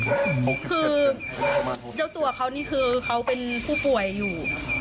คือเจ้าตัวเขานี่คือเขาเป็นผู้ป่วยอยู่